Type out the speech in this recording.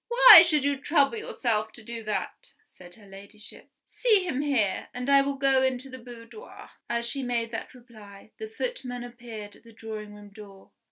"Why should you trouble yourself to do that?" said her Ladyship. "See him here; and I will go into the boudoir." As she made that reply, the footman appeared at the drawing room door.